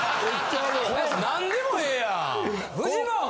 何でもええやん！